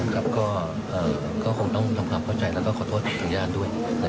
ก็คงต้องทำความเข้าใจแล้วก็ขอโทษทางญาติด้วย